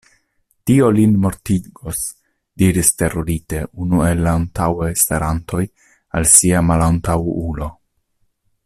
Tio lin mortigos, diris terurite unu el la antaŭe starantoj al sia malantaŭulo.